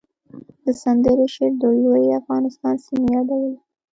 د سندرې شعر د لوی افغانستان سیمې یادولې